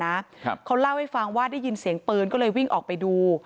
ครับเขาเล่าให้ฟังว่าได้ยินเสียงปืนก็เลยวิ่งออกไปดู